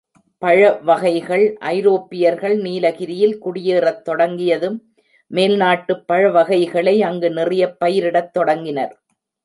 பழவகைகள் ஐரோப்பியர்கள் நீலகிரியில் குடியேறத் தொடங்கியதும், மேல் நாட்டுப் பழவகைகளை அங்கு நிறையப் பயிரிடத் தொடங்கினர்.